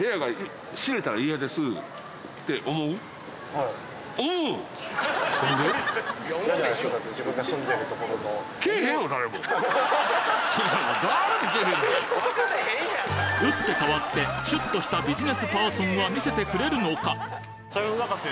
・はい・打って変わってシュッとしたビジネスパーソンは見せてくれるのか？